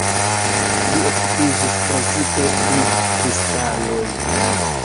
Li okupiĝis precipe pri kristaloj.